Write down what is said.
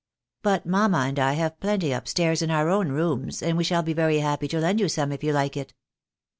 But mamma and I have plenty up stairs in our own rooms, and we shall be very happy to lend you some if you Mke it."